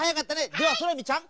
ではソラミちゃん